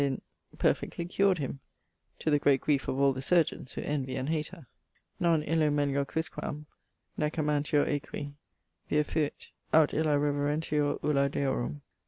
perfectly cured him, to the great griefe of all the surgeons, who envy and hate her. Non Illo melior quisquam, nec amantior aequi Vir fuit: aut Illâ reverentior ulla Deorum.